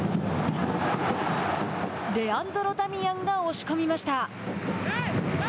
レアンドロ・ダミアンが押し込みました。